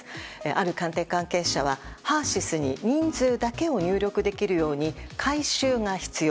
ある官邸関係者はＨＥＲ‐ＳＹＳに人数だけを入力できるように改修が必要。